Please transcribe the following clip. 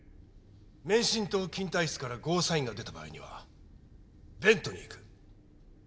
免震棟緊対室からゴーサインが出た場合にはベントに行く。